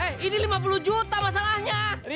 eh ini lima puluh juta masalahnya